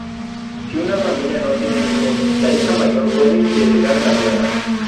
Si una familia no tiene hijos, la hija mayor puede heredar la tierra.